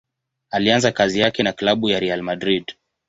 Alianza kazi yake na klabu ya Real Madrid.